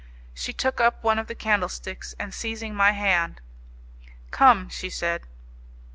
She took up one of the candlesticks, and seizing my hand: "Come," she said.